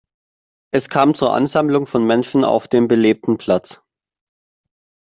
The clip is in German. Es kam zur Ansammlung von Menschen auf dem belebten Platz.